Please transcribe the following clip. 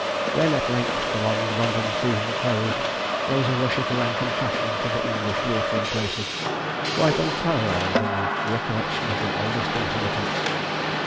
When at length the long London season closed, there was a rush of rank and fashion to the English watering places, quite unparalleled in the 'recollection of the oldest inhabitants.'